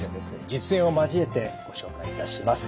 実演を交えてご紹介いたします。